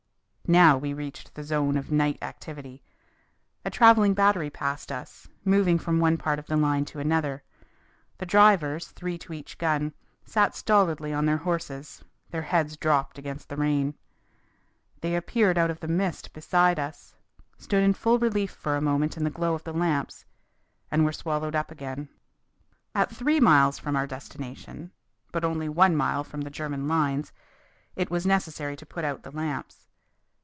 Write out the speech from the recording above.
Now we reached the zone of night activity. A travelling battery passed us, moving from one part of the line to another; the drivers, three to each gun, sat stolidly on their horses, their heads dropped against the rain. They appeared out of the mist beside us, stood in full relief for a moment in the glow of the lamps, and were swallowed up again. At three miles from our destination, but only one mile from the German lines, it was necessary to put out the lamps.